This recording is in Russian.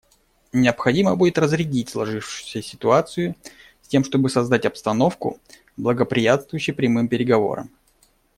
Необходимо будет разрядить сложившуюся ситуацию, с тем чтобы создать обстановку, благоприятствующую прямым переговорам.